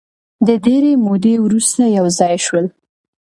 د ډېرې مودې وروسته یو ځای شول.